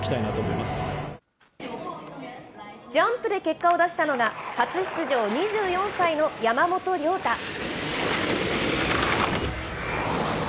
ジャンプで結果を出したのが、初出場、２４歳の山本涼太。